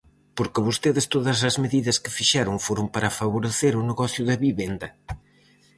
Porque vostedes todas as medidas que fixeron foron para favorecer o negocio da vivenda.